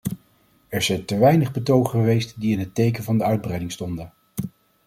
Er zijn te weinig betogen geweest die in het teken van de uitbreiding stonden.